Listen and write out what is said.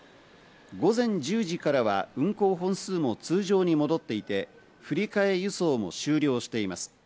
午前１０時からは運行本数も通常に戻っていて、振り替え輸送も終了しています。